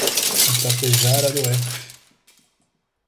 Itapejara d'Oeste